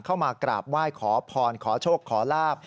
เข้ามากราบว่ายขอพรขอโชคขอราภ